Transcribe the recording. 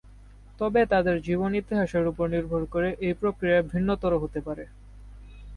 তবে তাদের জীবন ইতিহাসের উপর নির্ভর করে এই প্রক্রিয়া ভিন্নতর হতে পারে।